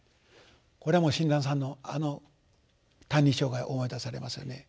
これはもう親鸞さんのあの「歎異抄」が思い出されますよね。